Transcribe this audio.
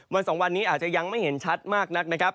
สองวันนี้อาจจะยังไม่เห็นชัดมากนักนะครับ